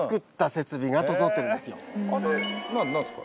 あれなんですか？